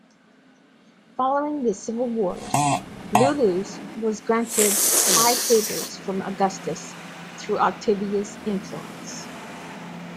Following the civil wars Iullus was granted high favours from Augustus, through Octavia's influence.